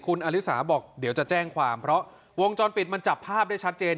คุณอลิสาบอกเดี๋ยวจะแจ้งความเพราะวงจรปิดมันจับภาพได้ชัดเจน